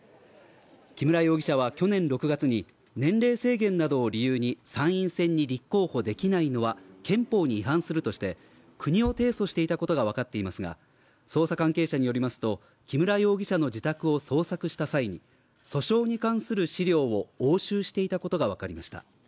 木村容疑者は去年６月に、年齢制限などを理由に参院選に立候補できないのは憲法に違反するとして、国を提訴していたことがわかっていますが、捜査関係者によりますと、木村容疑者の自宅を捜索した際に、訴訟に関する資料を押収していたことがわかりました。